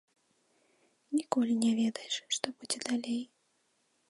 Ніколі не ведаеш, што будзе далей.